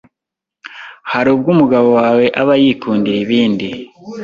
Hari ubwo umugabo wawe aba yikundira ibindi